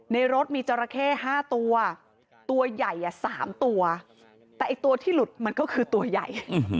ในรถมีจราเข้๕ตัวตัวใหญ่๓ตัวแต่ไอ้ตัวที่หลุดมันก็คือตัวใหญ่